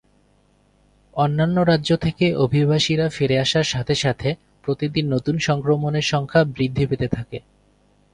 অন্যান্য রাজ্য থেকে অভিবাসীরা ফিরে আসার সাথে সাথে প্রতিদিন নতুন সংক্রমণের সংখ্যা বৃদ্ধি পেতে থাকে।